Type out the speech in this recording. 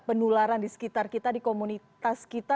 penularan di sekitar kita di komunitas kita